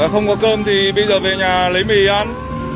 không có cơm thì bây giờ về nhà lấy mì ăn